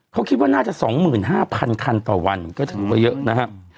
เค้าคิดน่าจะ๒๕๐๐๐ครรภ์ต่อวันก็ถึงเยอะนะครับ